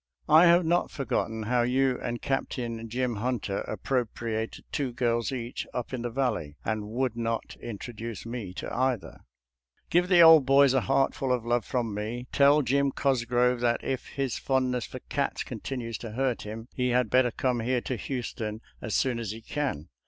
I have not forgot 292 SOLDIER'S LETTERS TO CHARMING NELLIE ten how you and Captain Jim Hunter appro priated two girls each, up in the Valley, and would not introduce me to either. «♦• Give the old boys a heart full of love from me. Tell Jim Cosgrove that if his fondness for cats continues to hurt him he had better come here to Houston as soon as he can.